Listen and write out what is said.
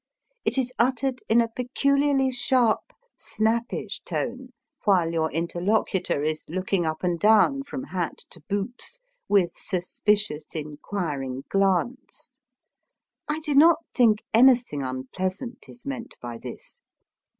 It is uttered in a pecu liarly sharp, snappish tone while your inter locutor is looking up and down, from hat to boots, with suspicious, inquiring glance. I do not think anything unpleasant is meant by this.